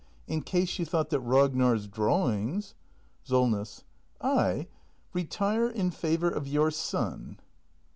In case you thought that Ragnar's drawings Solness. I! Retire in favour of your son!